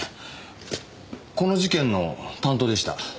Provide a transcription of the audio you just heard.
この事件の担当でした。